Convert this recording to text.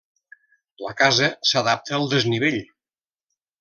La casa s'adapta al desnivell.